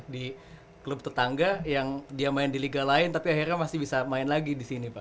di klub tetangga yang dia main di liga lain tapi akhirnya masih bisa main lagi di sini pak